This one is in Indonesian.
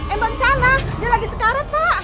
empang salah dia lagi sekarat pak